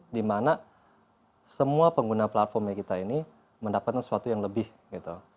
dimana semua pengguna platformnya kita ini mendapatkan sesuatu yang lebih gitu